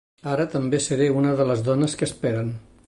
Ara, també seré una de les dones que esperen.